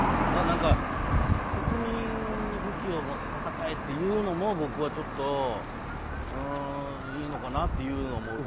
ただ、国民に武器を持って戦えというのも僕はちょっといいのかな？というのも。